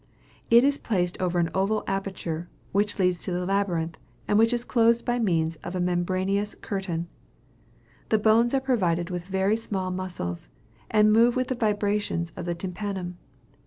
It is placed over an oval aperture, which leads to the labyrinth, and which is closed by means of a membranous curtain. These bones are provided with very small muscles, and move with the vibrations of the tympanum.